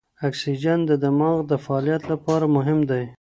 اکسیجن د دماغ د فعالیت لپاره مهم دی.